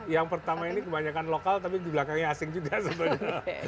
yang pertama ini kebanyakan lokal tapi di belakangnya asing juga sebenarnya